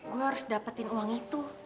gue harus dapetin uang itu